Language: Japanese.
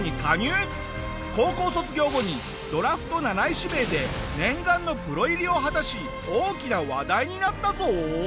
高校卒業後にドラフト７位指名で念願のプロ入りを果たし大きな話題になったぞ！